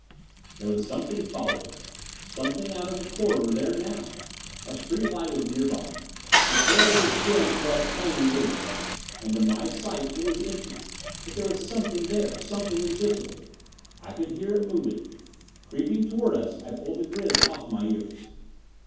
There was something following us! Something out in the corridor there now! A street light was nearby. The corridor was dim, but plainly visible; and to my sight it was empty. But there was something there. Something invisible! I could hear it moving. Creeping towards us. I pulled the grids off my ears.